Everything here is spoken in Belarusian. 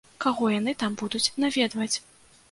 Каго яны там будуць наведваць?